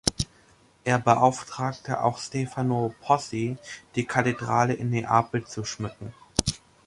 Er beauftragte auch Stefano Pozzi, die Kathedrale in Neapel zu schmücken.